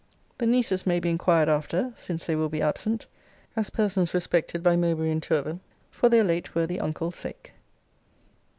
The nieces may be inquired after, since they will be absent, as persons respected by Mowbray and Tourville, for their late worthy uncle's sake.